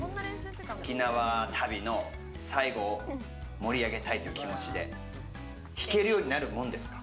沖縄旅の最後を盛り上げたいという気持ちで弾けるようになるもんですか？